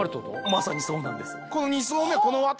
まさにそうなんです。